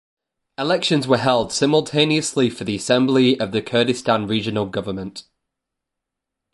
Elections were held simultaneously for the assembly of the Kurdistan Regional Government.